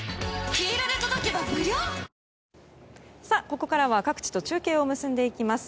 ここからは各地と中継を結んでいきます。